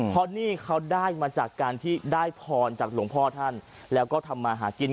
เพราะนี่เขาได้มาจากการที่ได้พรจากหลวงพ่อท่านแล้วก็ทำมาหากิน